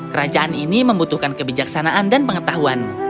kerajaan ini membutuhkan kebijaksanaan dan pengetahuan